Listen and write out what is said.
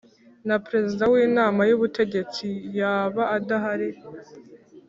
na Perezida w Inama y Ubutegetsi yaba adahari